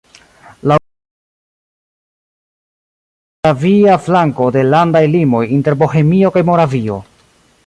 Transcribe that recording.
La urbo troviĝas sur la moravia flanko de landaj limoj inter Bohemio kaj Moravio.